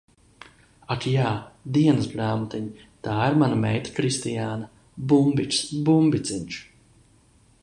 Ak jā, Dienasgrāmatiņ, tā ir mana meita Kristiāna. Bumbiks, Bumbiciņš.